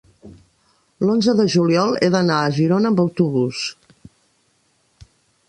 l'onze de juliol he d'anar a Girona amb autobús.